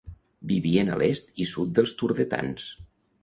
Vivien a l'est i sud dels turdetans.